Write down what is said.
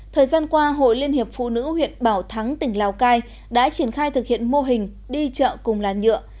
thời gian qua hội liên hiệp phụ nữ huyện bảo thắng tỉnh lào cai đã triển khai thực hiện mô hình đi chợ cùng làn nhựa